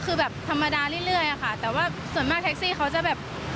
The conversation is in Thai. ก็แบบธรรมดาเรื่อยแต่ว่าส่วนมากแท็กซี่เขาจะน่ะแบบ